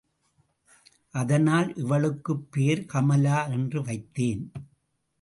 அதனால் இவளுக்குப் பேர் கமலா என்று வைத்தேன்.